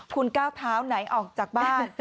คุณก้าวเท้าไหนออกจากบ้าน